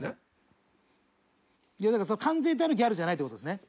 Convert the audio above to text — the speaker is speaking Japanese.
いやだから完全体のギャルじゃないって事ですね。